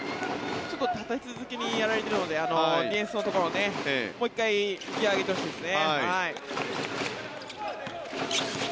立て続けにやられているのでディフェンスのところ、もう１回ギアを上げてほしいですね。